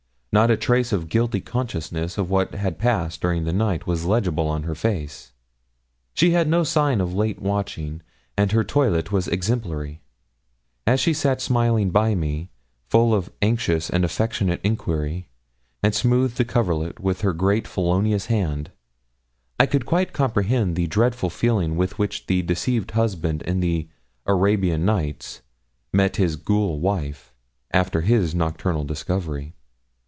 Not a trace of guilty consciousness of what had passed during the night was legible in her face. She had no sign of late watching, and her toilet was exemplary. As she sat smiling by me, full of anxious and affectionate enquiry, and smoothed the coverlet with her great felonious hand, I could quite comprehend the dreadful feeling with which the deceived husband in the 'Arabian Nights' met his ghoul wife, after his nocturnal discovery.